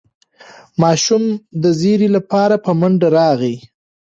ماشوم د زېري لپاره په منډه راغی.